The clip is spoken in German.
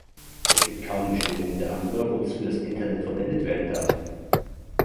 Es gibt kaum Bestimmungen darüber, wozu das Internet verwendet werden darf.